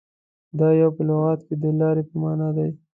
• دایو په لغت کې د لارې په معنیٰ دی.